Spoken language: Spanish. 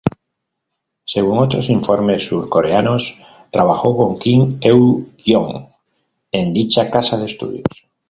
Según otros informes surcoreanos, trabajó con Kim Eun-gyong en dicha casa de estudios.